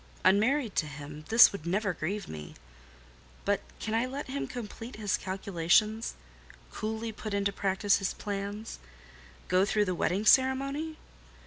Unmarried to him, this would never grieve me; but can I let him complete his calculations—coolly put into practice his plans—go through the wedding ceremony?